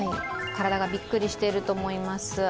体がびっくりしていると思います。